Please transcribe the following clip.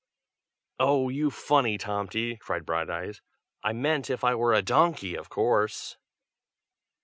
"Oh! you funny Tomty!" cried Brighteyes. "I meant, if I were a donkey, of course!"